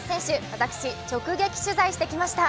私、直撃取材してきました。